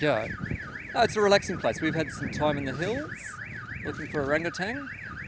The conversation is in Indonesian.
ini tempat yang relaks kita sudah berada di gunung mencari orang tangga